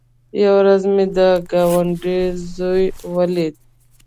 يوه ورځ مې د گاونډي زوى وليد.